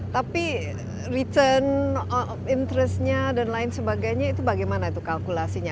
tapi return interestnya dan lain sebagainya itu bagaimana itu kalkulasinya